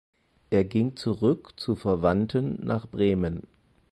Er ging zurück zu Verwandten nach Bremen.